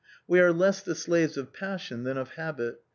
We are less the slaves of passion than of habit.